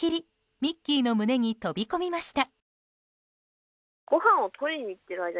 ミッキーの胸に飛び込みました。